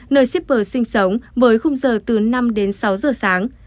nơi shipper sinh sống với khung giờ từ năm đến sáu giờ sáng